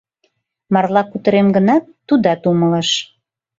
Марла кутырем гынат, тудат умылыш.